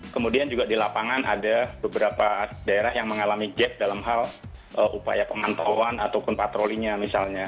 kemudian juga di lapangan ada beberapa daerah yang mengalami gap dalam hal upaya pemantauan ataupun patrolinya misalnya